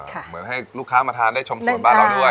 เหมือนให้ลูกค้ามาทานได้ชมสวนบ้านเราด้วย